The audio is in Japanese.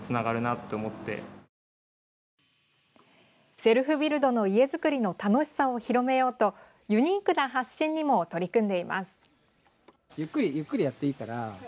セルフビルドの家造りの楽しさを広めようとユニークな発信にも取り組んでいます。